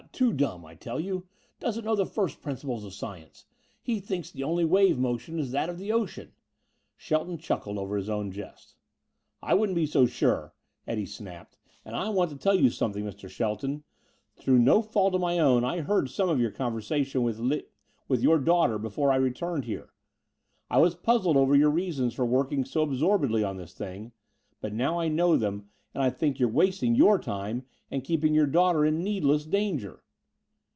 Too dumb, I tell you. Doesn't know the first principles of science. He thinks the only wave motion is that of the ocean." Shelton chuckled over his own jest. "I wouldn't be too sure," Eddie snapped. "And I want to tell you something, Mr. Shelton. Through no fault of my own, I heard some of your conversation with Li with your daughter, before I returned here. I was puzzled over your reasons for working so absorbedly on this thing, but now I know them and I think you're wasting your time and keeping your daughter in needless danger."